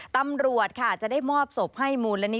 ตำรวจค่ะจะได้มอบศพให้มูลนิธิ